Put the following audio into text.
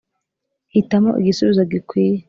hitamo igisubizo gikwiye